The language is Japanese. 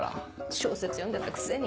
小説読んでたくせに。